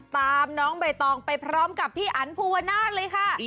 ตามน้องใบตองไปพร้อมกับพี่อันภูวนาศเลยค่ะ